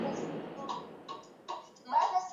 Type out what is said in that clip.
aliyekuwa waziri wa mambo ya nje ya cape vade jose brito